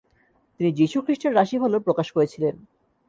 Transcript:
তিনি যীশুখ্রিস্টের রাশিফলও প্রকাশ করেছিলেন।